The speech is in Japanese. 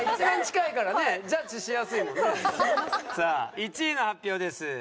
さあ１位の発表です。